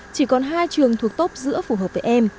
chỉ còn hai trường thuộc tốt giữa phù hợp với em